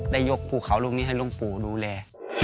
ยกภูเขาลูกนี้ให้ลุงปู่ดูแล